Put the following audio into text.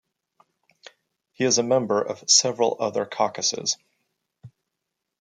He is a member of several other caucuses.